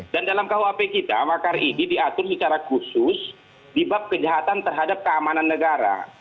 jadi makar ini diatur secara khusus di bab kejahatan terhadap keamanan negara